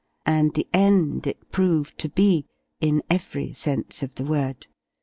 And the end it proved to be, in every sense of the word.